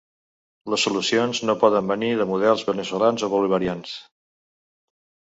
Les solucions no poden venir de models veneçolans o bolivarians.